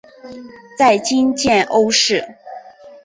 在今建瓯市。